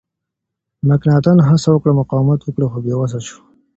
مکناتن هڅه وکړه مقاومت وکړي خو بې وسه شو.